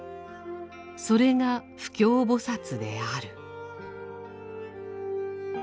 それが不軽菩薩である。